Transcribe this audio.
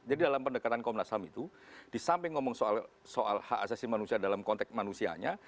jadi dalam pendekatan komnas ham itu disamping ngomong soal hak asasi manusia dalam konteks manusianya